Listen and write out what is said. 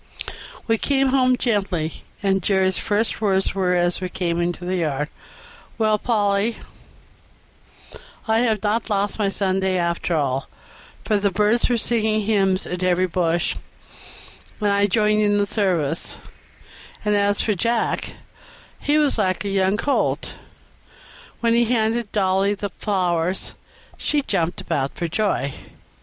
We came home gently, and Jerry's first words were, as we came into the yard, "Well, Polly, I have not lost my Sunday after all, for the birds were singing hymns in every bush, and I joined in the service; and as for Jack, he was like a young colt." When he handed Dolly the flowers she jumped about for joy.